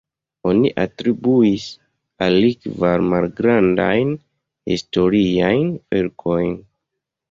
Oni atribuis al li kvar malgrandajn historiajn verkojn.